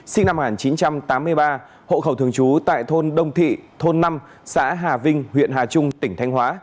sinh năm một nghìn chín trăm tám mươi ba hộ khẩu thường trú tại thôn đông thị thôn năm xã hà vinh huyện hà trung tỉnh thanh hóa